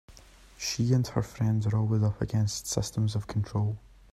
She and her friends are always up against systems of control.